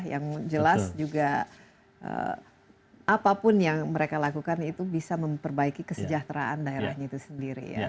yang jelas juga apapun yang mereka lakukan itu bisa memperbaiki kesejahteraan daerahnya itu sendiri ya